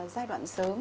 giai đoạn sớm